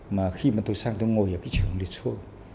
mà khi mà tôi sang tôi ngồi ở cái trường lịch sơ